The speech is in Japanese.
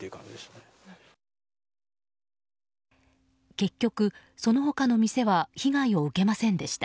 結局、その他の店は被害を受けませんでした。